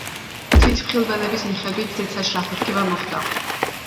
თვითმხილველების მიხედვით ზეცაში აფეთქება მოხდა.